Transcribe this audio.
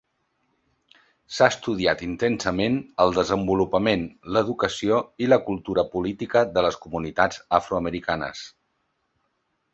S'ha estudiat intensament el desenvolupament, l'educació i la cultura política de les comunitats afroamericanes.